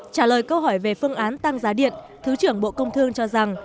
trả lời câu hỏi về phương án tăng giá điện thứ trưởng bộ công thương cho rằng